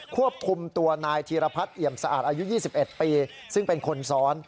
ควบคุมตัวนายธีรพัฒน์เหยียมสะอาดอายุยี่สิบเอ็ดปีซึ่งเป็นคนซ้อน